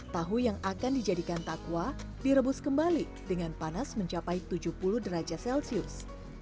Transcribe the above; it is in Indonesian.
tahu yang akan dijadikan takwa direbus kembali dengan panas mencapai tujuh puluh derajat celcius